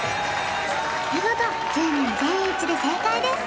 見事１０人全員一致で正解です